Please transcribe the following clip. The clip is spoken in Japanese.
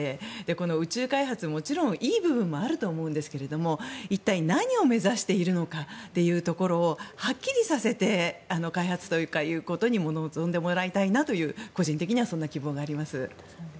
この宇宙開発、もちろんいい部分もあると思うんですが一体、何を目指しているのかというところをはっきりさせて開発というか臨んでもらいたいという個人的にはそんな希望があります。